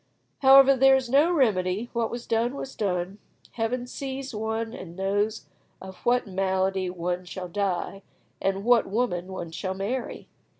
However, there was no remedy, what was done was done. Heaven sees one, and knows of what malady one shall die, and what woman one shall marry!